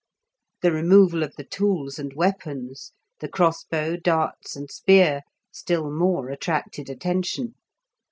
The removal of the tools and weapons, the crossbow, darts, and spear, still more attracted attention.